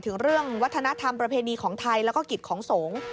ถึงเรื่องวัฒนธรรมประเพณีของไทยแล้วก็กิจของสงฆ์